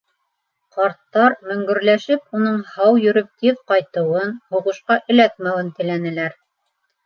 Ҡарттар мөңгөрләшеп уның һау йөрөп тиҙ ҡайтыуын, һуғышҡа эләкмәүен теләнеләр.